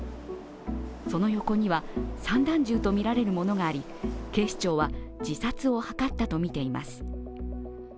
その横には散弾銃とみられるものがあり警視庁は、自殺を図ったとみています。